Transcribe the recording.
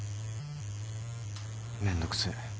めんどくせ。